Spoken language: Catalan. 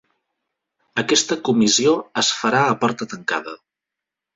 Aquesta comissió es farà a porta tancada.